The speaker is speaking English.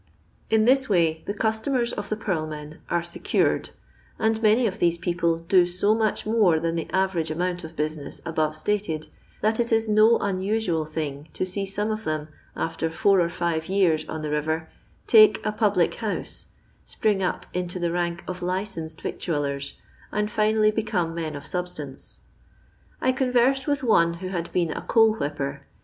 In this way the customers of the purl men are secured ; and many of these people do so much more than the average amount of business above stated, that it is no unusual thing to see some of them, after four or five years on the river, take a public house, spring up into the rank of licensed victuallers, and finally become men of substance. I conversed with one who had been a coal whipper.